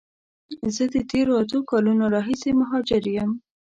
زه د تیرو اته کالونو راهیسی مهاجر یم.